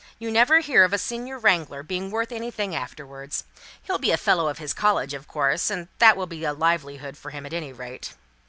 You never hear of a senior wrangler being worth anything afterwards. He'll be a Fellow of his college, of course that will be a livelihood for him at any rate."